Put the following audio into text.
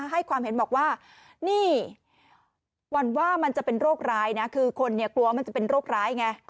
ให้ความเห็นบอกว่านี่หวั่นว่ามันจะเป็นโรคร้ายนะคือคนเนี่ยกลัวว่ามันจะเป็นโรคร้ายไง